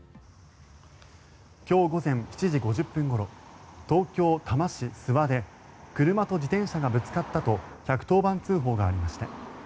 今日午前７時５０分ごろ東京・多摩市諏訪で車と自転車がぶつかったと１１０番通報がありました。